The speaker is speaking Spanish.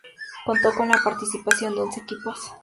Contó con la participación de once equipos.